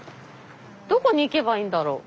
どこに行けばいいんだろう？